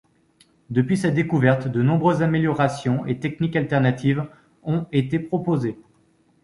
Depuis sa découverte, de nombreuses améliorations et techniques alternatives ont été proposées.